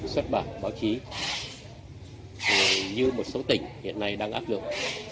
xuất bản báo chí như một số tỉnh hiện nay đang áp dụng